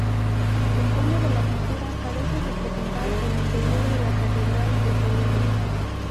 El fondo de la pintura parece representar el interior de la catedral de Toledo.